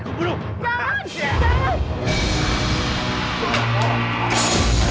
jangan bunuh suami saya pak